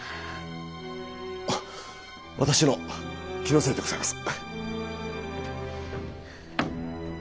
あっ私の気のせいでございます。